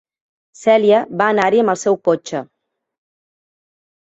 Celia va anar-hi amb el seu cotxe.